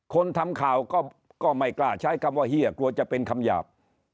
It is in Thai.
คนทำข่าวก็ไม่กล้าใช้คำว่าเฮียกลัวจะเป็นคำหยาบ